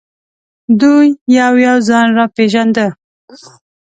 دوی یو یو ځان را پېژانده.